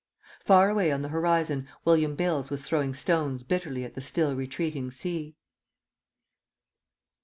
Far away on the horizon William Bales was throwing stones bitterly at the still retreating sea.